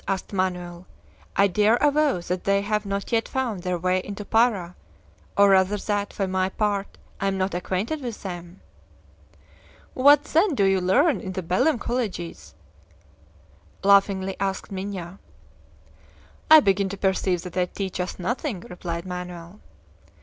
asked Manoel. "I dare avow that they have not yet found their way into Para or rather that, for my part, I am not acquainted with them." "What, then do you learn in the Belem colleges?" laughingly asked Minha. "I begin to perceive that they teach us nothing," replied Manoel.